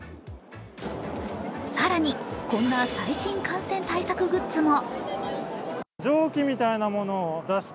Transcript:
更に、こんな最新感染対策グッズも。